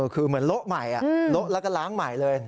คือเหมือนโละใหม่โละแล้วก็ล้างใหม่เลย